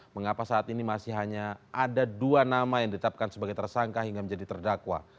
mengapa saat ini masih hanya ada dua nama yang ditetapkan sebagai tersangka hingga menjadi terdakwa